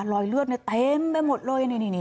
รอยเลือดเต็มไปหมดเลย